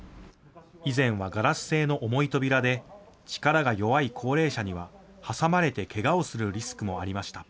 以前はガラス製の重い扉で力が弱い高齢者には、挟まれてけがをするリスクもありました。